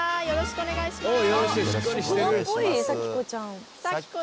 よろしくお願いします。